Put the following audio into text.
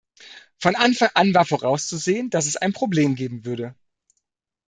Von Anfang an war vorauszusehen, dass es ein Problem geben würde.